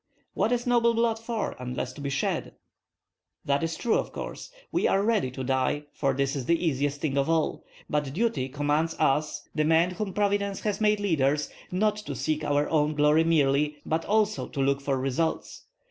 "What is noble blood for unless to be shed?" "That is true, of course. We are ready to die, for that is the easiest thing of all. But duty commands us, the men whom providence has made leaders, not to seek our own glory merely, but also to look for results.